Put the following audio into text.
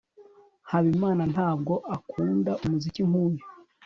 habimana ntabwo akunda umuziki nkuyu